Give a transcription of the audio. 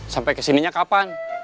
sampai kesininya kapan